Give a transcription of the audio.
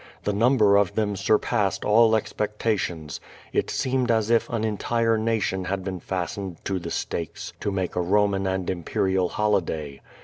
The number of them surpassed all expectations. It seemed as if an entire nation had been fastened to the stakes to make a Roman and imperial holiday.